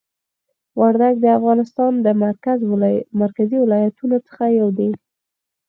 وردګ د افغانستان له مرکزي ولایتونو څخه یو دی.